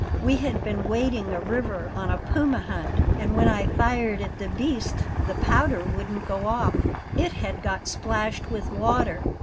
We had been wading a river on a puma hunt, and when I fired at the beast the powder wouldn't go off; it had got splashed with water.